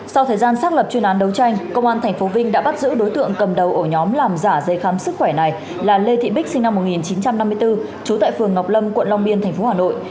sau thời gian xác lập chuyên án đấu tranh công an tp vinh đã bắt giữ đối tượng cầm đầu ổ nhóm làm giả giấy khám sức khỏe này là lê thị bích sinh năm một nghìn chín trăm năm mươi bốn trú tại phường ngọc lâm quận long biên tp hà nội